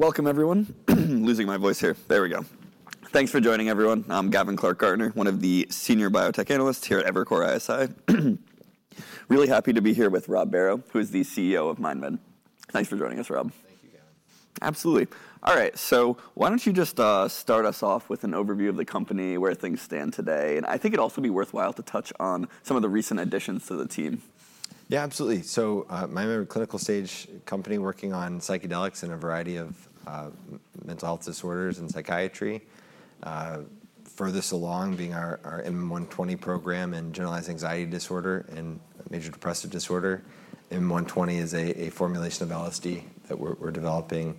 Welcome, everyone. Losing my voice here. There we go. Thanks for joining, everyone. I'm Gavin Clark-Gartner, one of the senior biotech analysts here at Evercore ISI. Really happy to be here with Robert Barrow, who is the CEO of MindMed. Thanks for joining us, Rob. Thank you, Gavin. Absolutely. All right, so why don't you just start us off with an overview of the company, where things stand today, and I think it'd also be worthwhile to touch on some of the recent additions to the team. Yeah, absolutely. So, MindMed, a clinical-stage company working on psychedelics and a variety of mental health disorders and psychiatry. Furthest along being our MM-120 program in generalized anxiety disorder and major depressive disorder. MM-120 is a formulation of LSD that we're developing,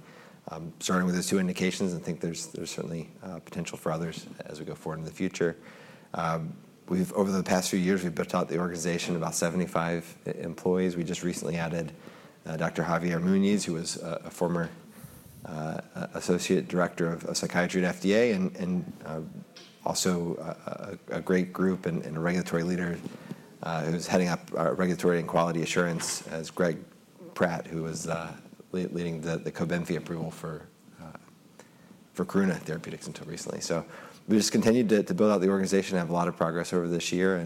starting with those two indications, and I think there's certainly potential for others as we go forward in the future. Over the past few years, we've built out the organization to about 75 employees. We just recently added Dr. Javier Muñiz, who was a former associate director of psychiatry at FDA, and also a great regulatory leader who's heading up regulatory and quality assurance, Greg Pratt, who was leading the Cobenfy approval for Karuna Therapeutics until recently, so we've just continued to build out the organization and have a lot of progress over this year.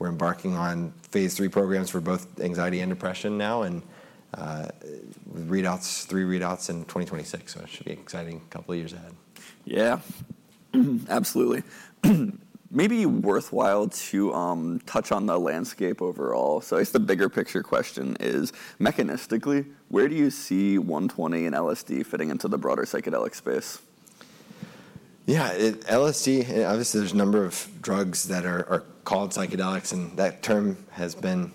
We're embarking on Phase 3 programs for both anxiety and depression now, and three readouts in 2026, which should be an exciting couple of years ahead. Yeah, absolutely. Maybe worthwhile to touch on the landscape overall. So I guess the bigger picture question is, mechanistically, where do you see 120 and LSD fitting into the broader psychedelic space? Yeah, LSD, obviously, there's a number of drugs that are called psychedelics, and that term has been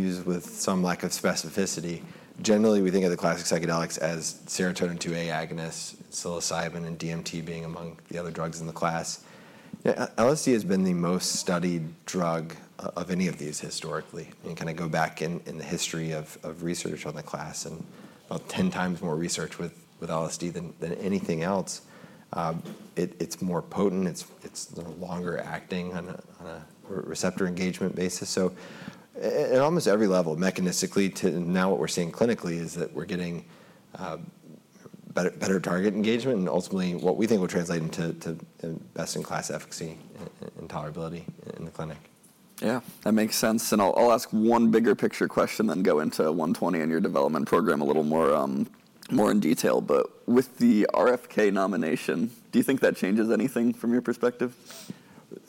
used with some lack of specificity. Generally, we think of the classic psychedelics as serotonin 2A agonists, psilocybin, and DMT being among the other drugs in the class. LSD has been the most studied drug of any of these historically. You can kind of go back in the history of research on the class, and about 10 times more research with LSD than anything else. It's more potent. It's longer acting on a receptor engagement basis. So at almost every level, mechanistically, now what we're seeing clinically is that we're getting better target engagement, and ultimately what we think will translate into best-in-class efficacy and tolerability in the clinic. Yeah, that makes sense. And I'll ask one bigger picture question, then go into 120 and your development program a little more in detail. But with the RFK nomination, do you think that changes anything from your perspective?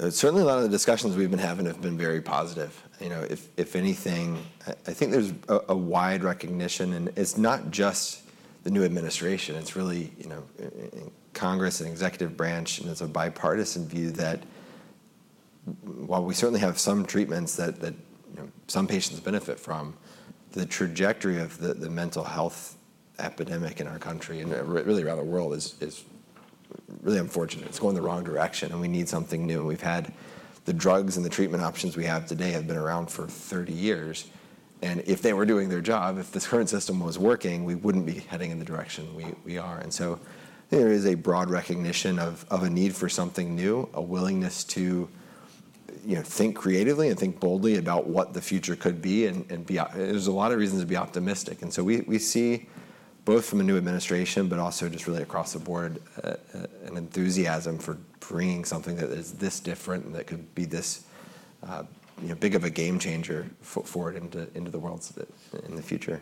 Certainly, a lot of the discussions we've been having have been very positive. If anything, I think there's a wide recognition, and it's not just the new administration. It's really Congress and executive branch, and it's a bipartisan view that while we certainly have some treatments that some patients benefit from, the trajectory of the mental health epidemic in our country, and really around the world, is really unfortunate. It's going the wrong direction, and we need something new. We've had the drugs and the treatment options we have today have been around for 30 years. And if they were doing their job, if this current system was working, we wouldn't be heading in the direction we are. And so there is a broad recognition of a need for something new, a willingness to think creatively and think boldly about what the future could be. There's a lot of reasons to be optimistic. So we see, both from a new administration, but also just really across the board, an enthusiasm for bringing something that is this different and that could be this big of a game changer forward into the world in the future.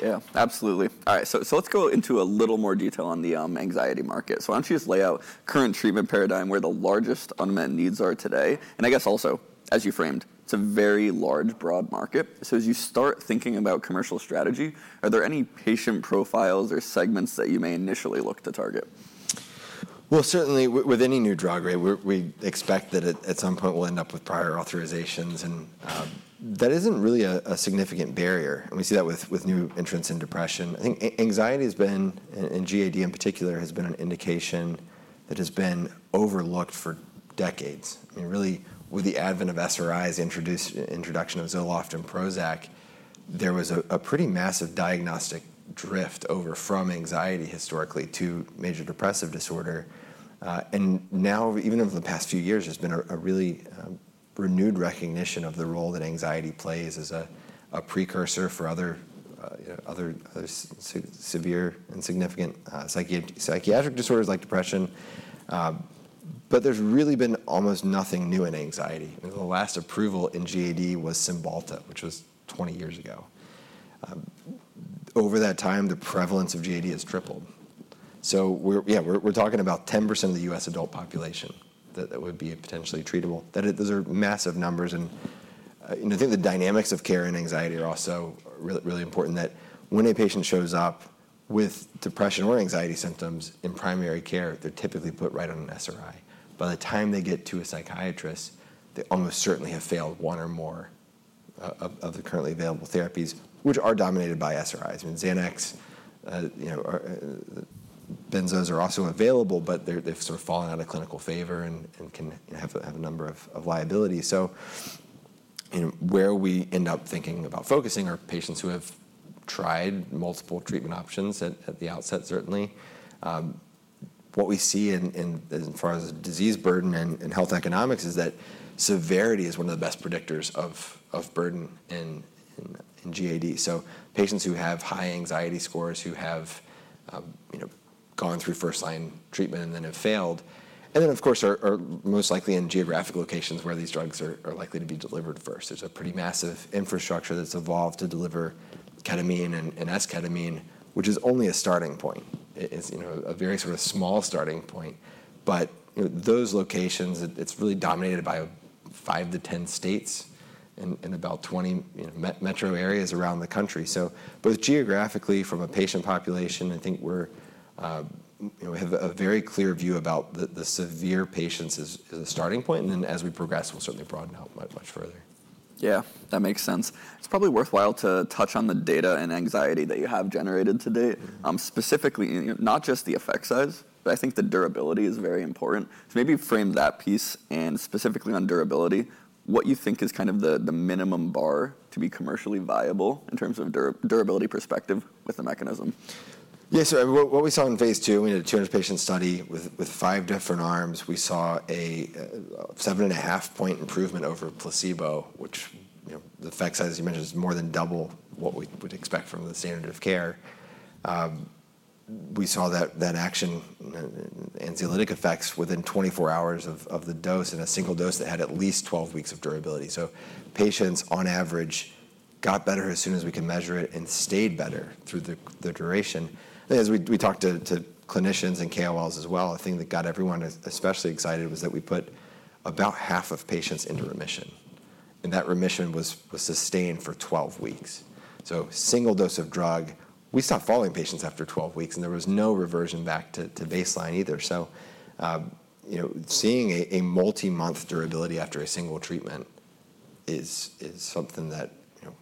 Yeah, absolutely. All right, so let's go into a little more detail on the anxiety market. So why don't you just lay out current treatment paradigm where the largest unmet needs are today? And I guess also, as you framed, it's a very large, broad market. So as you start thinking about commercial strategy, are there any patient profiles or segments that you may initially look to target? Certainly, with any new drug, we expect that at some point we'll end up with prior authorizations. That isn't really a significant barrier. We see that with new entrants in depression. I think anxiety has been, and GAD in particular, has been an indication that has been overlooked for decades. I mean, really, with the advent of SRIs, the introduction of Zoloft and Prozac, there was a pretty massive diagnostic drift over from anxiety historically to major depressive disorder. Now, even over the past few years, there's been a really renewed recognition of the role that anxiety plays as a precursor for other severe and significant psychiatric disorders like depression. There's really been almost nothing new in anxiety. The last approval in GAD was Cymbalta, which was 20 years ago. Over that time, the prevalence of GAD has tripled. So yeah, we're talking about 10% of the U.S. adult population that would be potentially treatable. Those are massive numbers. And I think the dynamics of care and anxiety are also really important that when a patient shows up with depression or anxiety symptoms in primary care, they're typically put right on an SRI. By the time they get to a psychiatrist, they almost certainly have failed one or more of the currently available therapies, which are dominated by SRIs. I mean, Xanax, benzos are also available, but they've sort of fallen out of clinical favor and can have a number of liabilities. So where we end up thinking about focusing are patients who have tried multiple treatment options at the outset, certainly. What we see as far as disease burden and health economics is that severity is one of the best predictors of burden in GAD. So patients who have high anxiety scores, who have gone through first-line treatment and then have failed, and then, of course, are most likely in geographic locations where these drugs are likely to be delivered first. There's a pretty massive infrastructure that's evolved to deliver ketamine and esketamine, which is only a starting point. It's a very sort of small starting point. But those locations, it's really dominated by five to 10 states and about 20 metro areas around the country. So both geographically, from a patient population, I think we have a very clear view about the severe patients as a starting point. And then as we progress, we'll certainly broaden out much further. Yeah, that makes sense. It's probably worthwhile to touch on the data on anxiety that you have generated to date, specifically not just the effect size, but I think the durability is very important. So maybe frame that piece and specifically on durability, what you think is kind of the minimum bar to be commercially viable in terms of durability perspective with the mechanism? Yeah, so what we saw in Phase 2, we had a 200-patient study with five different arms. We saw a 7.5-point improvement over placebo, which the effect size, as you mentioned, is more than double what we would expect from the standard of care. We saw that action and anxiolytic effects within 24 hours of the dose in a single dose that had at least 12 weeks of durability. So patients, on average, got better as soon as we could measure it and stayed better through the duration. As we talked to clinicians and KOLs as well, a thing that got everyone especially excited was that we put about half of patients into remission, and that remission was sustained for 12 weeks. So single dose of drug, we stopped following patients after 12 weeks, and there was no reversion back to baseline either. Seeing a multi-month durability after a single treatment is something that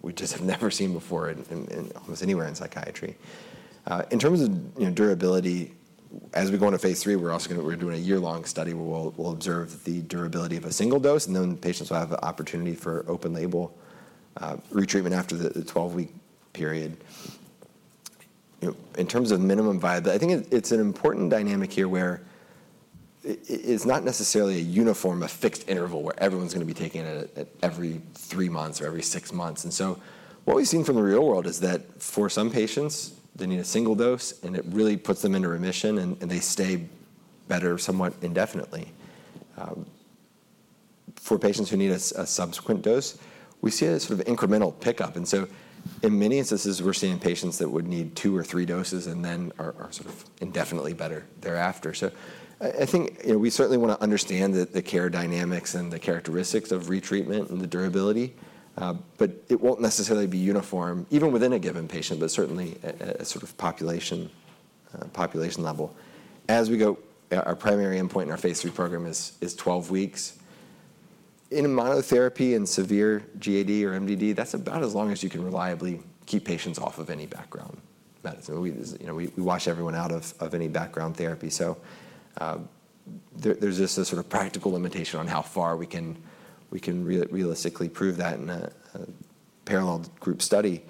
we just have never seen before in almost anywhere in psychiatry. In terms of durability, as we go into Phase 3, we're doing a year-long study where we'll observe the durability of a single dose, and then patients will have the opportunity for open-label retreatment after the 12-week period. In terms of minimum viability, I think it's an important dynamic here where it's not necessarily a uniform, a fixed interval where everyone's going to be taking it at every three months or every six months. And so what we've seen from the real world is that for some patients, they need a single dose, and it really puts them into remission, and they stay better somewhat indefinitely. For patients who need a subsequent dose, we see a sort of incremental pickup. And so in many instances, we're seeing patients that would need two or three doses and then are sort of indefinitely better thereafter. So I think we certainly want to understand the care dynamics and the characteristics of retreatment and the durability, but it won't necessarily be uniform, even within a given patient, but certainly a sort of population level. As we go, our primary endpoint in our Phase 3 program is 12 weeks. In monotherapy and severe GAD or MDD, that's about as long as you can reliably keep patients off of any background medicine. We wash everyone out of any background therapy. So there's just a sort of practical limitation on how far we can realistically prove that in a parallel group study.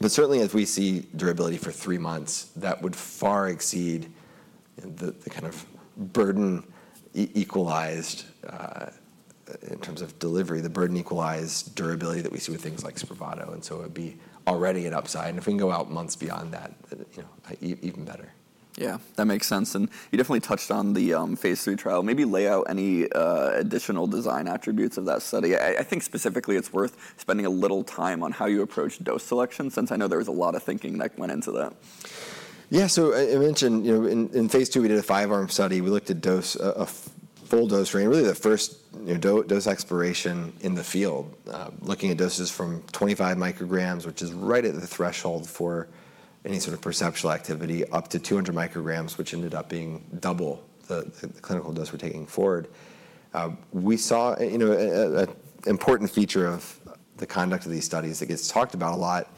But certainly, as we see durability for three months, that would far exceed the kind of burden equalized in terms of delivery, the burden equalized durability that we see with things like Spravato. And so it would be already an upside. And if we can go out months beyond that, even better. Yeah, that makes sense. And you definitely touched on the Phase 3 trial. Maybe lay out any additional design attributes of that study. I think specifically it's worth spending a little time on how you approached dose selection, since I know there was a lot of thinking that went into that. Yeah, so I mentioned in Phase 2, we did a five-arm study. We looked at a full dose range, really the first dose exploration in the field, looking at doses from 25 micrograms, which is right at the threshold for any sort of perceptual activity, up to 200 micrograms, which ended up being double the clinical dose we're taking forward. We saw an important feature of the conduct of these studies that gets talked about a lot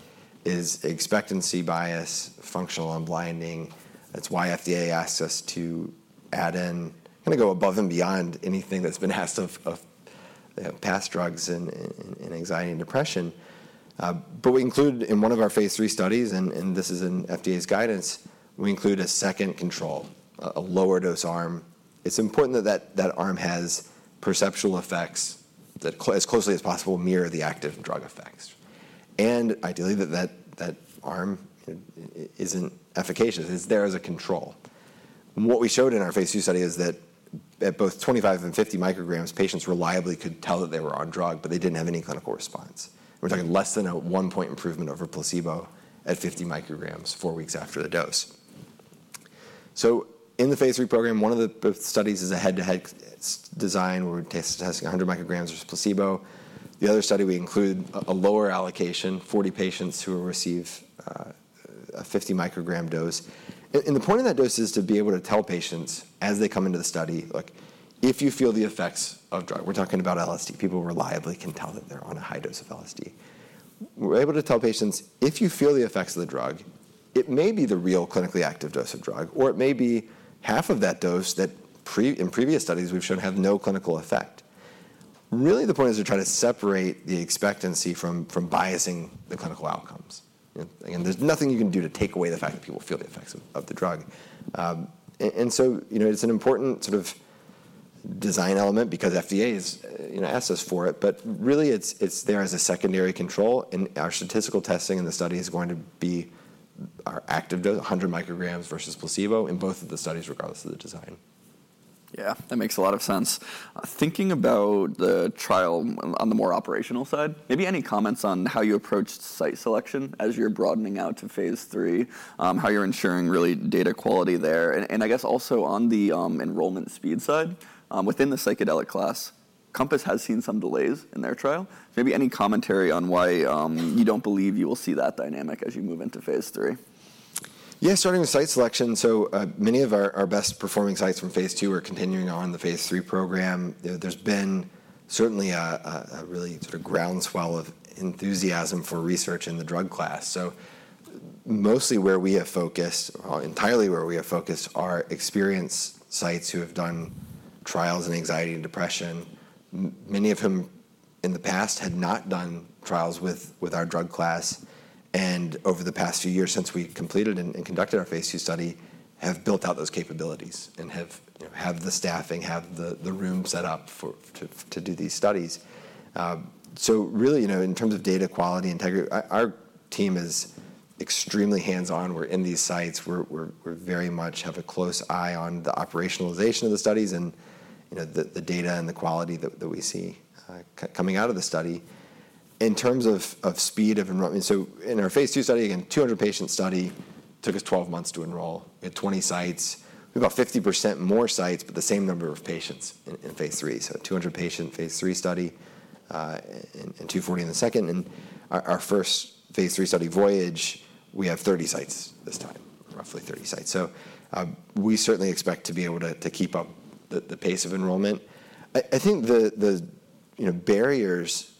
is expectancy bias, functional unblinding. That's why FDA asked us to add in, kind of go above and beyond anything that's been asked of past drugs in anxiety and depression. But we included in one of our Phase 3 studies, and this is in FDA's guidance, we include a second control, a lower dose arm. It's important that that arm has perceptual effects that, as closely as possible, mirror the active drug effects. Ideally, that arm isn't efficacious. It's there as a control. What we showed in our Phase 2 study is that at both 25 and 50 micrograms, patients reliably could tell that they were on drug, but they didn't have any clinical response. We're talking less than a one-point improvement over placebo at 50 micrograms four weeks after the dose. In the Phase 3 program, one of the studies is a head-to-head design where we're testing 100 micrograms versus placebo. The other study we include a lower allocation, 40 patients who receive a 50 microgram dose. The point of that dose is to be able to tell patients as they come into the study, look, if you feel the effects of drug, we're talking about LSD, people reliably can tell that they're on a high dose of LSD. We're able to tell patients, if you feel the effects of the drug, it may be the real clinically active dose of drug, or it may be half of that dose that in previous studies we've shown have no clinical effect. Really, the point is to try to separate the expectancy from biasing the clinical outcomes. Again, there's nothing you can do to take away the fact that people feel the effects of the drug. And so it's an important sort of design element because FDA has asked us for it. But really, it's there as a secondary control. And our statistical testing in the study is going to be our active dose, 100 micrograms versus placebo in both of the studies, regardless of the design. Yeah, that makes a lot of sense. Thinking about the trial on the more operational side, maybe any comments on how you approached site selection as you're broadening out to Phase 3, how you're ensuring really data quality there? And I guess also on the enrollment speed side, within the psychedelic class, Compass has seen some delays in their trial. Maybe any commentary on why you don't believe you will see that dynamic as you move into Phase 3? Yeah, starting with site selection. So many of our best performing sites from Phase 2 are continuing on the Phase 3 program. There's been certainly a really sort of groundswell of enthusiasm for research in the drug class. So mostly where we have focused, entirely where we have focused, are experienced sites who have done trials in anxiety and depression, many of whom in the past had not done trials with our drug class. And over the past few years, since we completed and conducted our Phase 2 study, have built out those capabilities and have the staffing, have the room set up to do these studies. So really, in terms of data quality and integrity, our team is extremely hands-on. We're in these sites. We very much have a close eye on the operationalization of the studies and the data and the quality that we see coming out of the study. In terms of speed of enrollment, so in our Phase 2 study, again, 200-patient study took us 12 months to enroll. We had 20 sites. We have about 50% more sites, but the same number of patients in Phase 3, so 200-patient Phase 3 study and 240 in the second, and our first Phase 3 study, Voyage, we have 30 sites this time, roughly 30 sites, so we certainly expect to be able to keep up the pace of enrollment. I think the barriers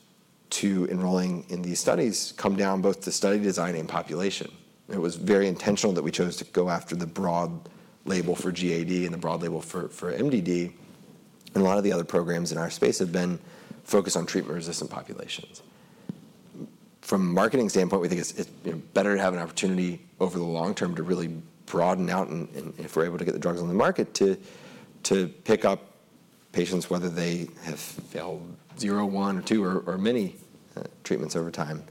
to enrolling in these studies come down both to study design and population. It was very intentional that we chose to go after the broad label for GAD and the broad label for MDD. And a lot of the other programs in our space have been focused on treatment-resistant populations. From a marketing standpoint, we think it's better to have an opportunity over the long term to really broaden out, and if we're able to get the drugs on the market, to pick up patients, whether they have failed zero, one, or two, or many treatments over time.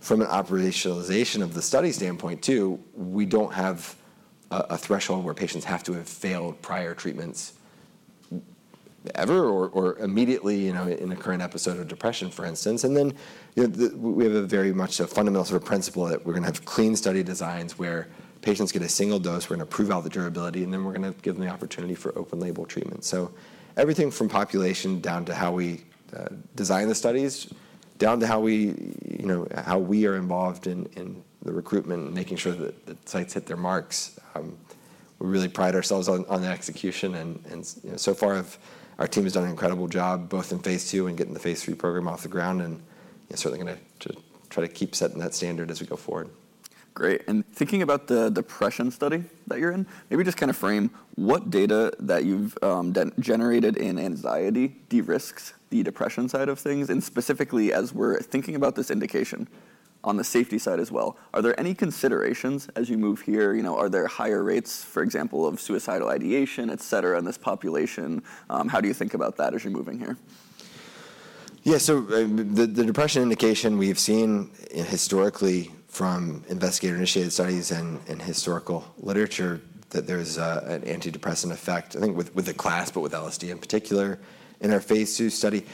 From an operationalization of the study standpoint too, we don't have a threshold where patients have to have failed prior treatments ever or immediately in a current episode of depression, for instance. And then we have a very much a fundamental sort of principle that we're going to have clean study designs where patients get a single dose. We're going to prove out the durability, and then we're going to give them the opportunity for open-label treatment. Everything from population down to how we design the studies, down to how we are involved in the recruitment and making sure that the sites hit their marks, we really pride ourselves on the execution. So far, our team has done an incredible job both in Phase 2 and getting the Phase 2 program off the ground. Certainly going to try to keep setting that standard as we go forward. Great. And thinking about the depression study that you're in, maybe just kind of frame what data that you've generated in anxiety de-risks the depression side of things, and specifically as we're thinking about this indication on the safety side as well. Are there any considerations as you move here? Are there higher rates, for example, of suicidal ideation, et cetera, in this population? How do you think about that as you're moving here? Yeah, so the depression indication we've seen historically from investigator-initiated studies and historical literature that there's an antidepressant effect, I think with the class, but with LSD in particular in our Phase 2 study.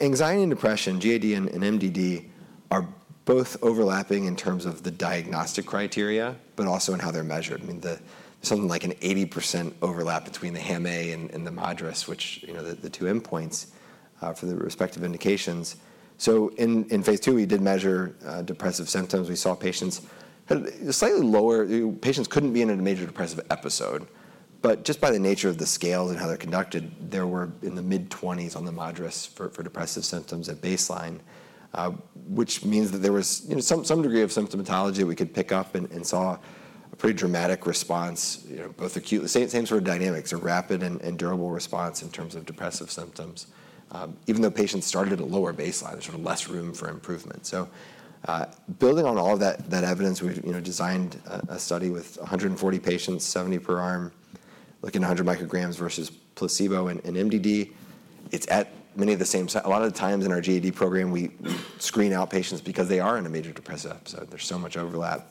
Anxiety and depression, GAD and MDD are both overlapping in terms of the diagnostic criteria, but also in how they're measured. I mean, there's something like an 80% overlap between the HAM-A and the MADRS, which are the two endpoints for the respective indications. So in Phase 2, we did measure depressive symptoms. We saw patients had slightly lower MADRS. Patients couldn't be in a major depressive episode. But just by the nature of the scales and how they're conducted, they were in the mid-20s on the MADRS for depressive symptoms at baseline, which means that there was some degree of symptomatology that we could pick up and saw a pretty dramatic response, both acute, same sort of dynamics, a rapid and durable response in terms of depressive symptoms, even though patients started at a lower baseline, sort of less room for improvement, so building on all of that evidence, we designed a study with 140 patients, 70 per arm, looking at 100 micrograms versus placebo and MDD. It's at many of the same sites. A lot of the times in our GAD program, we screen out patients because they are in a major depressive episode. There's so much overlap,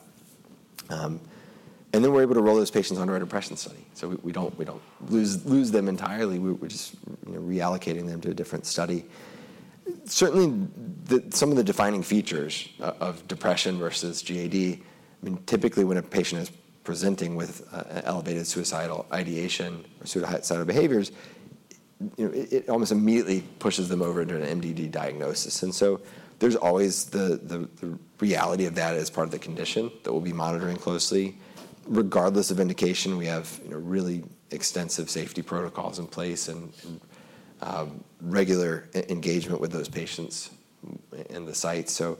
and then we're able to roll those patients onto our depression study, so we don't lose them entirely. We're just reallocating them to a different study. Certainly, some of the defining features of depression versus GAD, I mean, typically when a patient is presenting with elevated suicidal ideation or suicidal behaviors, it almost immediately pushes them over into an MDD diagnosis, and so there's always the reality of that as part of the condition that we'll be monitoring closely. Regardless of indication, we have really extensive safety protocols in place and regular engagement with those patients at the site, so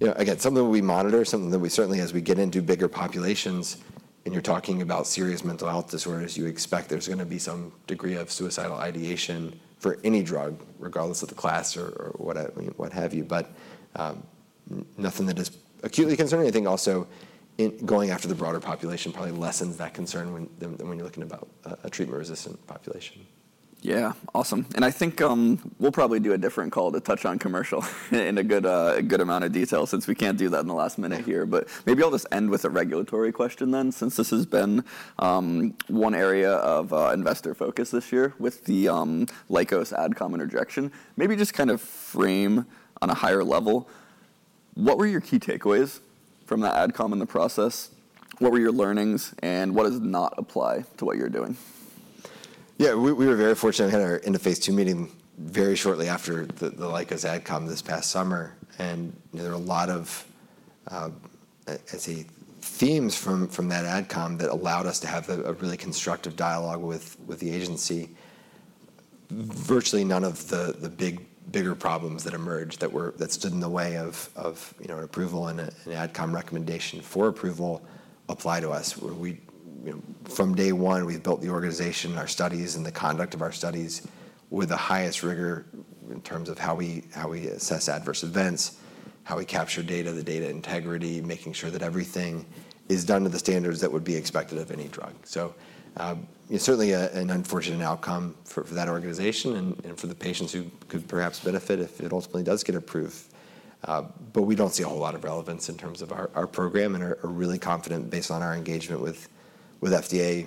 again, something we monitor, something that we certainly, as we get into bigger populations, and you're talking about serious mental health disorders, you expect there's going to be some degree of suicidal ideation for any drug, regardless of the class or what have you, but nothing that is acutely concerning. I think also going after the broader population probably lessens that concern when you're looking about a treatment-resistant population. Yeah, awesome. And I think we'll probably do a different call to touch on commercial in a good amount of detail since we can't do that in the last minute here. But maybe I'll just end with a regulatory question then, since this has been one area of investor focus this year with the Lykos AdCom interjection. Maybe just kind of frame on a higher level, what were your key takeaways from the AdCom and the process? What were your learnings and what does not apply to what you're doing? Yeah, we were very fortunate to have our End-of-Phase 2 meeting very shortly after the Lykos AdCom this past summer. And there were a lot of, I'd say, themes from that AdCom that allowed us to have a really constructive dialogue with the agency. Virtually none of the bigger problems that emerged that stood in the way of an approval and an AdCom recommendation for approval apply to us. From day one, we've built the organization, our studies, and the conduct of our studies with the highest rigor in terms of how we assess adverse events, how we capture data, the data integrity, making sure that everything is done to the standards that would be expected of any drug. So certainly an unfortunate outcome for that organization and for the patients who could perhaps benefit if it ultimately does get approved. But we don't see a whole lot of relevance in terms of our program and are really confident based on our engagement with FDA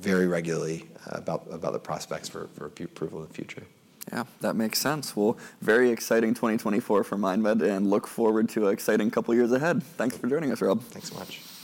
very regularly about the prospects for approval in the future. Yeah, that makes sense. Well, very exciting 2024 for Mind Medicine and look forward to an exciting couple of years ahead. Thanks for joining us, Rob. Thanks so much.